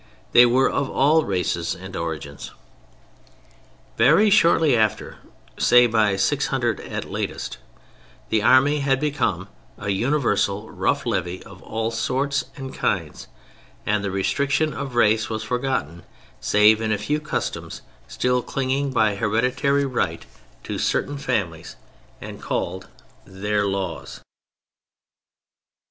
They were of all races and origins. Very shortly after—by, say, 600, at latest—the Army had become a universal rough levy of all sorts and kinds, and the restriction of race was forgotten save in a few customs still clinging by hereditary right to certain families and called their "laws."